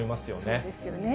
そうですよね。